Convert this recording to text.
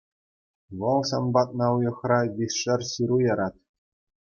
Вӑл сан патна уйӑхра виҫшер ҫыру ярать.